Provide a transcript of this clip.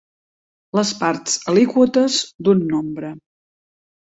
Les parts alíquotes d'un nombre.